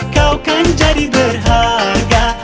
kau kan jadi berharga